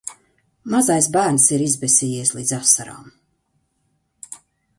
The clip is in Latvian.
Mazais bērns ir izbesījies līdz asarām.